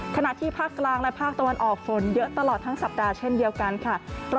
ขณะที่ภาคกลางและภาคตะวันออกฝนเยอะตลอดทั้งสัปดาห์เช่นเดียวกันค่ะ